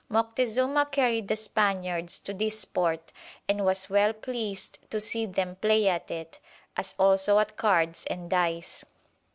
Moctezuma carry'd the Spaniards to this sport, and was well pleas'd to see them play at it, as also at cards and dice."